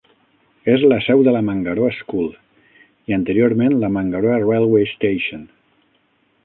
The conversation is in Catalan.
És la seu de la Mangaroa School i, anteriorment, la Mangaroa Railway Station.